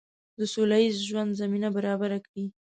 د سوله ییز ژوند زمینه برابره کړي.